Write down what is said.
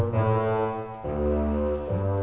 sampai jumpa lagi